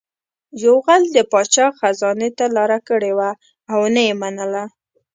یو غل د پاچا خزانې ته لاره کړې وه او نه یې منله